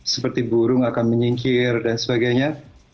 seperti burung akan menyingkir dan sebagainya